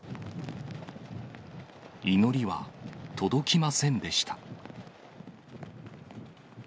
祈りは届きませんでした。